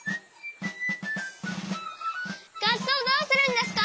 がっそうどうするんですか？